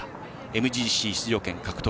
ＭＧＣ出場権獲得。